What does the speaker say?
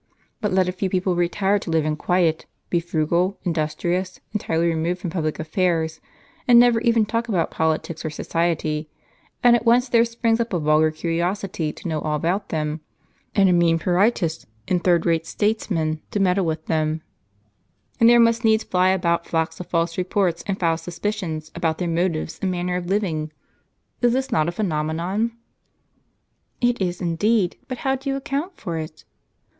But let a few people retire to live in quiet, be frugal, industrious, entirely removed from public affairs, and never even talk about politics or society, and at once there springs up a vulgar curiosity to know all about them, and a mean pruritus in third rate statesmen to meddle with them ; and there must needs fly about flocks of false reports and foul suspicions about their motives and manner of living. Is not this a phenomenon ?"" It is, indeed ; but how do you account for it